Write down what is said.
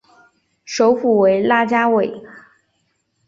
首府为拉加韦。